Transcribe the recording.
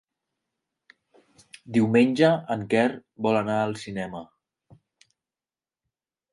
Diumenge en Quer vol anar al cinema.